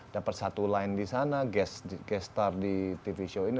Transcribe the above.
dapat satu line di sana gas star di tv show ini